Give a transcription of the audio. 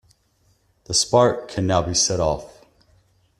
The spark can now be set off.